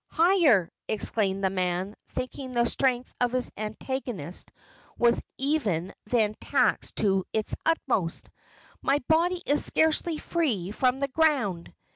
"Higher!" exclaimed the man, thinking the strength of his antagonist was even then taxed to its utmost; "my body is scarcely free from the ground!"